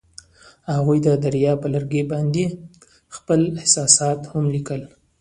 هغوی د دریا پر لرګي باندې خپل احساسات هم لیکل.